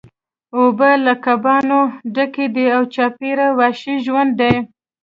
اوبه له کبانو ډکې دي او چاپیره وحشي ژوند دی